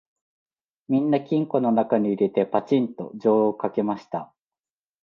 みんな金庫のなかに入れて、ぱちんと錠をかけました